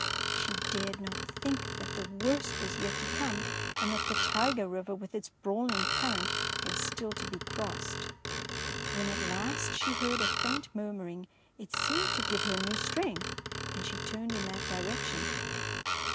She dared not think that the worst was yet to come, and that the Tyger Eiver with its brawling current had still to be crossed. When at last she heard a faint murmuring, it seemed to give her new strength, and she turned in that direction.